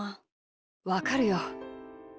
わかるよ。